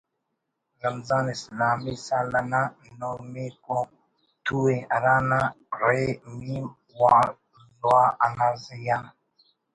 رمضان اسلامی سال تا نہمیکو تو ءِ ہرا نا ”ر“ ”م“و ”ض“ انا زی آ